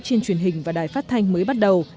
trên truyền hình và đài phát thanh mới bắt đầu